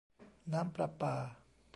น้ำประปา